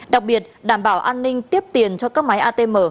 đặc biệt đảm bảo an ninh tiếp tiền cho các máy atm